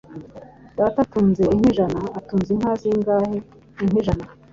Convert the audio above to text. Data atunze inka ijana. Atunze inka zingahe? Inka ijana